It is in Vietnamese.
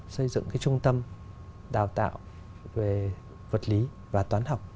xây dựng cái trung tâm đào tạo về vật lý và toán học